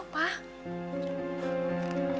bisa hidup penuh pak